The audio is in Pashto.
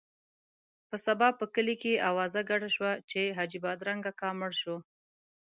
په سبا په کلي کې اوازه ګډه شوه چې حاجي بادرنګ اکا مړ شو.